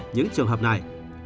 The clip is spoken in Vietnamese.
những trường hợp này